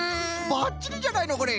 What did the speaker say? ばっちりじゃないのこれ。